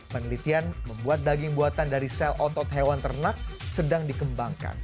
penelitian membuat daging buatan dari sel otot hewan ternak sedang dikembangkan